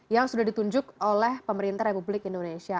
yang sudah ditunjuk oleh pemerintah republik indonesia